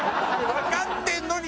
わかってるのに。